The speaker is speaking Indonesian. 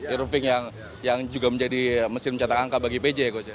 erroofing yang juga menjadi mesin mencatat angka bagi pj ya gus ya